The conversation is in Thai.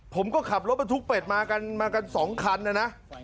ผมก็ขับรถไปทุกเป็ดมากัน๒คันนะนะ